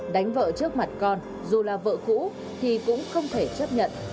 đánh vợ trước mặt con dù là vợ cũ thì cũng không thể chấp nhận